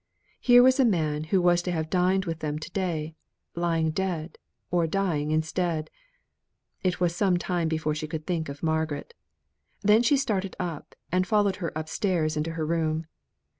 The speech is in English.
Here was a man who was to have dined with them to day lying dead or dying instead! It was some time before she could think of Margaret. Then she started up, and followed her upstairs into her room.